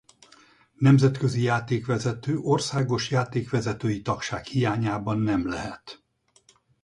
Nemzetközi játékvezető országos játékvezetői tagság hiányában nem lehet.